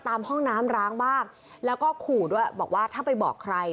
ตามห้องน้ำร้างบ้างแล้วก็ขู่ด้วยบอกว่าถ้าไปบอกใคร